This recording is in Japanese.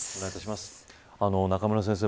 中村先生